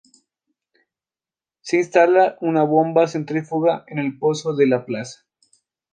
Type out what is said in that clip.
Se instala una bomba centrífuga en el pozo de la plaza.